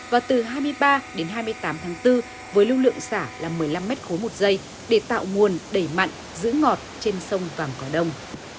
và từ hai mươi ba đến hai mươi tám tháng bốn với lưu lượng xả là một mươi năm m một s để tạo nguồn đẩy mặn giữ ngọt trên sông vàng cò đông